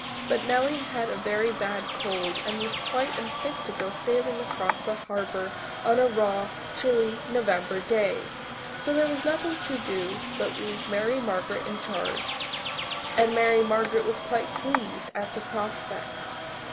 But Nellie had a very bad cold and was quite unfit to go sailing across the harbour on a raw, chilly November day. So there was nothing to do but leave Mary Margaret in charge, and Mary Margaret was quite pleased at the prospect.